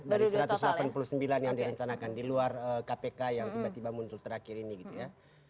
dari satu ratus delapan puluh sembilan yang direncanakan di luar kpk yang tiba tiba muncul terakhir ini gitu ya